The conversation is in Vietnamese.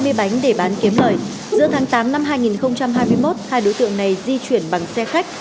heroin để bán kiếm lời giữa tháng tám năm hai nghìn hai mươi một hai đối tượng này di chuyển bằng xe khách